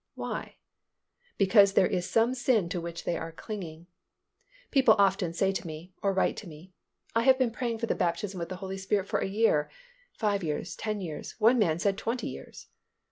Why? Because there is some sin to which they are clinging. People often say to me, or write to me, "I have been praying for the baptism with the Holy Spirit for a year (five years, ten years, one man said twenty years).